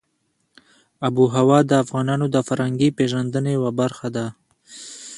آب وهوا د افغانانو د فرهنګي پیژندنې یوه برخه ده.